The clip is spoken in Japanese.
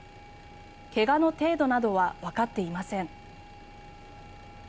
怪我の程度などはわかっていません。